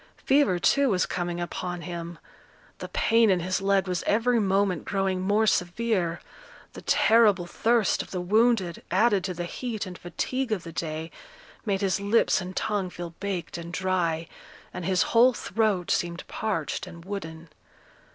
Fever, too, was coming upon him; the pain in his leg was every moment growing more severe; the terrible thirst of the wounded, added to the heat and fatigue of the day, made his lips and tongue feel baked and dry, and his whole throat seemed parched and wooden.